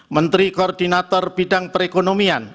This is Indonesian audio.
menteri koordinator bidang perekonomian